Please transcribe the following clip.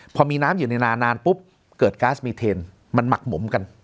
พอมีน้ำอยู่ในนานานปุ๊บเกิดก๊าซมีเทนมันหมักหมมกัน